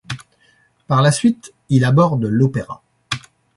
Par la suite, il aborde l'opéra.